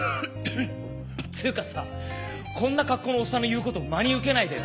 つうかさこんな格好のおっさんの言うこと真に受けないでよ。